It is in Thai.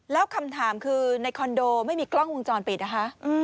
แล้วคำถามคือในคอนโดไม่มีกล้องวงจรปิดนะคะ